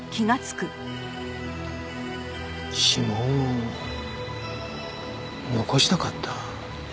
指紋を残したかった。